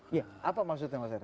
iya apa maksudnya mas eri